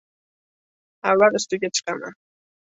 Avval ustiga chiqaman.